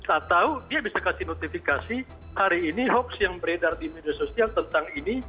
atau dia bisa kasih notifikasi hari ini hoax yang beredar di media sosial tentang ini